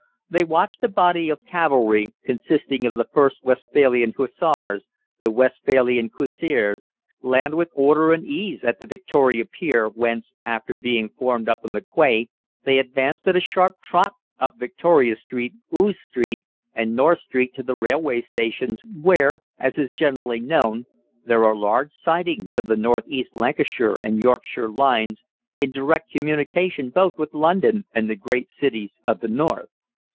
They watched a body of cavalry, consisting of the 1st Westphalian Hussars, the Westphalian Cuirassiers, land with order and ease at the Victoria Pier, whence, after being formed up on the quay, they advanced at a sharp trot up Victoria Street, Ouse Street, and North Street to the railway stations, where, as is generally known, there are large sidings of the North East Lancashire and Yorkshire lines in direct communication both with London and the great cities of the north.